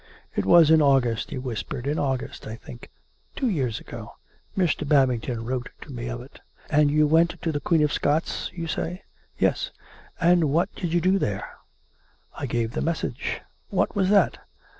" It was in August," he whispered, " in August, I think ; two years ago. Mr. Babington wrote to me of it." "And you went to the Queen of the Scots, you say.'' "" Yes." " And what did you there ?"" I gave the message." "What was that?"